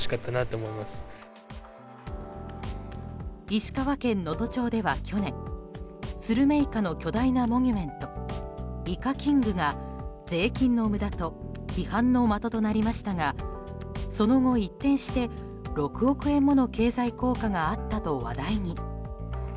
石川県能登町では去年スルメイカの巨大なモニュメントイカキングが税金の無駄と批判の的となりましたがその後一転して、６億円もの経済効果があったと話題に。